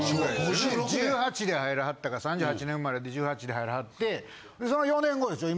１８で入りはったから３８年生まれで１８で入りはってその４年後でしょ？